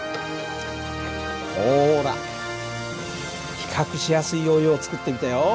ほら比較しやすいヨーヨーを作ってみたよ。